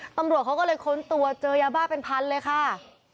ตำรวจเขาก็เลยค้นตัวเจอยาบ้าเป็นพันเลยค่ะ